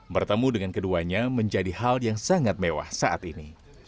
bertemu dengan keduanya menjadi hal yang sangat mewah saat ini